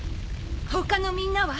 他のみんなは？